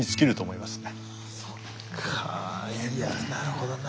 いやなるほどな。